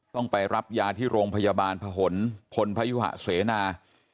ต้องไปรับยาที่โรงพยาบาลผนพลพยุหะเสนา